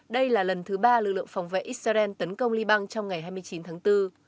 đây là lần thứ ba lực lượng phòng vệ israel tấn công liban trong ngày hai mươi chín tháng bốn